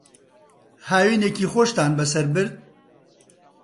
هاوینێکی خۆشتان بەسەر برد؟